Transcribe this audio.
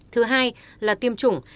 thứ hai là tiêm chủng